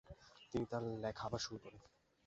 তিনি তার লেখা আবার শুরু করেন।